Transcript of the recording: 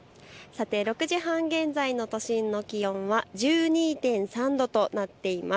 ６時半現在の都心の気温は１２．３度となっています。